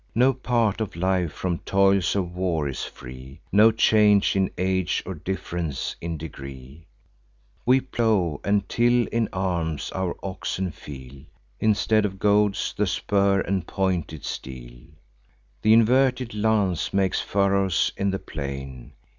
No part of life from toils of war is free, No change in age, or diff'rence in degree. We plow and till in arms; our oxen feel, Instead of goads, the spur and pointed steel; Th' inverted lance makes furrows in the plain.